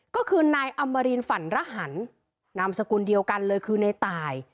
ก็คือนายอมรินฝันระหันนามสกุลเดียวกันเลยคือในตาย